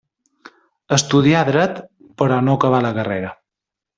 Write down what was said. Estudià dret, però no acabà la carrera.